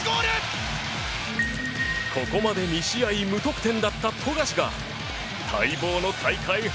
ここまで２試合無得点だった富樫が待望の大会初得点。